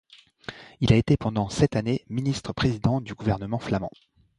Il a été pendant sept années Ministre-président du gouvernement flamand.